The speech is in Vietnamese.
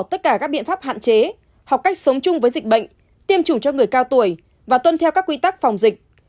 tất cả các biện pháp hạn chế học cách sống chung với dịch bệnh tiêm chủng cho người cao tuổi và tuân theo các quy tắc phòng dịch